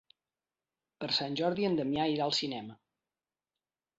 Per Sant Jordi en Damià irà al cinema.